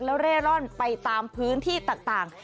แล้วเร่ร่อนไปตามพื้นที่ต่าง